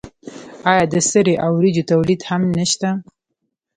آیا د سرې او وریجو تولید هم نشته؟